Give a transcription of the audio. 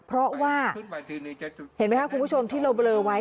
เพราะว่าเห็นไหมครับคุณผู้ชมที่เราเบลอไว้